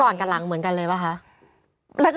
ก่อนกับหลังเหมือนกันเลยป่ะคะ